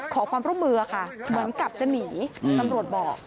ขอความร่วมมือค่ะเหมือนกับจะหนีตำรวจบอก